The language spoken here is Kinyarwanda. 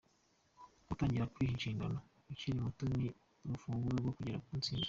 Gutangira kwiha inshingano ukiri muto ni urufunguzo rwo kugera ku ntsinzi.